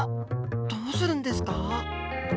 どうするんですか？